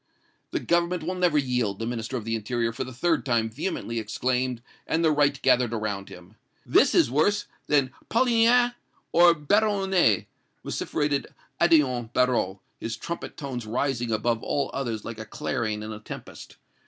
"'The Government will never yield!' the Minister of the Interior for the third time vehemently exclaimed, and the right gathered around him. 'This is worse than Polignac or Peyronet!' vociferated Odillon Barrot, his trumpet tones rising above all others like a clarion in a tempest.